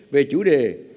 về chủ đề